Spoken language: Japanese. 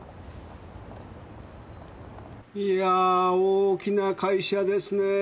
いやぁ大きな会社ですね。